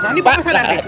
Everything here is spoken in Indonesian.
nah ini bapak sadar d